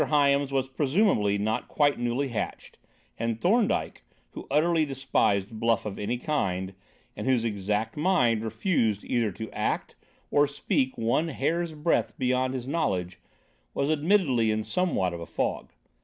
Hyams was presumably not quite newly hatched, and Thorndyke, who utterly despised bluff of any kind, and whose exact mind refused either to act or speak one hair's breadth beyond his knowledge, was admittedly in somewhat of a fog.